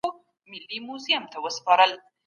پوه سړي د علم په خپرولو کي مرسته کړې ده.